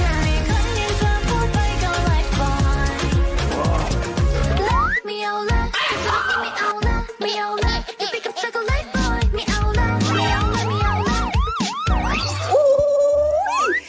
เข้าลืมเถอะพูดไปก็ไหล่ปล่อย